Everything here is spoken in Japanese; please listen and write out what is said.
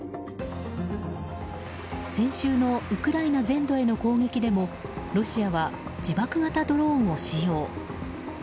先週のウクライナ全土への攻撃でもロシアは自爆型ドローンを使用。